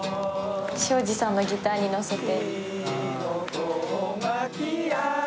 庄司さんのギターにのせて。